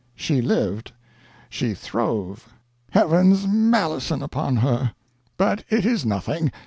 She lived, she throve Heaven's malison upon her! But it is nothing.